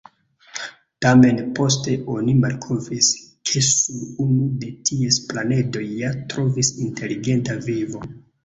Tamen poste oni malkovris, ke sur unu de ties planedoj ja troviĝis inteligenta vivo.